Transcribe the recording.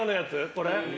これ。